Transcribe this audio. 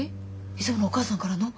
いつものお母さんからの。